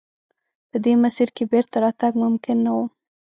په دې مسیر کې بېرته راتګ ممکن نه و.